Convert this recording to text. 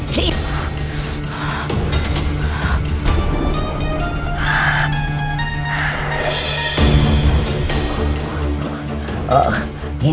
saya sudah berusaha untuk menghidupkan saya